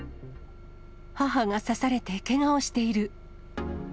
母が刺されてけがをしている。